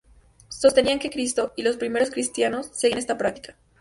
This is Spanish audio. Sostenían que Cristo y los primeros cristianos seguían esta práctica.